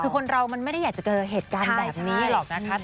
คือคนเรามันไม่ได้อยากจะเจอเหตุการณ์แบบนี้หรอกนะคะ